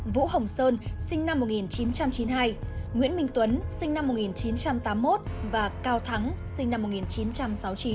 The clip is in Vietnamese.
vũ hồng sơn sinh năm một nghìn chín trăm chín mươi hai nguyễn minh tuấn sinh năm một nghìn chín trăm tám mươi một và cao thắng sinh năm một nghìn chín trăm sáu mươi chín